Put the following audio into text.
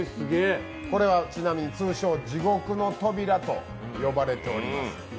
これはちなみに通称、地獄の扉と呼ばれております。